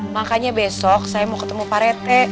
makanya besok saya mau ketemu pak rete